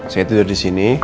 saya tidur disini